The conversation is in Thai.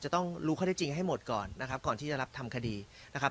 จะต้องรู้ข้อได้จริงให้หมดก่อนนะครับก่อนที่จะรับทำคดีนะครับ